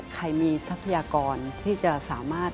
ใครมีทรัพยากรที่จะสามารถ